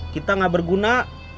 kita gak berguna